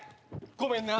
ごめんな。